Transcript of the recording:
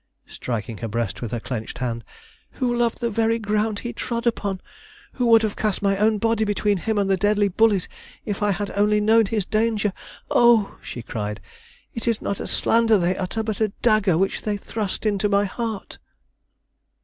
striking her breast with her clenched hand, "who loved the very ground he trod upon; who would have cast my own body between him and the deadly bullet if I had only known his danger. Oh!" she cried, "it is not a slander they utter, but a dagger which they thrust into my heart!"